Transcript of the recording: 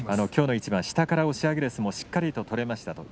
きょうの一番、下から押し上げる相撲をしっかりと取れました。